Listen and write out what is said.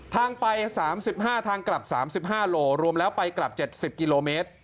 ทางไป๓๕ทางกลับ๓๕โลรวมแล้วไปกลับ๗๐กิโลเมตร